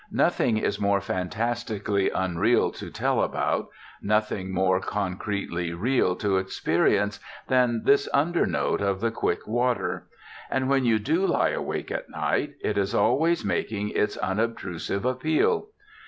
Nothing is more fantastically unreal to tell about, nothing more concretely real to experience, than this undernote of the quick water. And when you do lie awake at night, it is always making its unobtrusive appeal.